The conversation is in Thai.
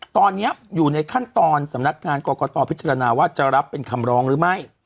ตอนนี้อยู่ในขั้นตอนสำนักงานกรกตพิจารณาว่าจะรับเป็นคำร้องหรือไม่